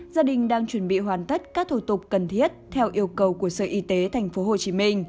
gia đình đang chuẩn bị hoàn tất các thủ tục cần thiết theo yêu cầu của sở y tế tp hcm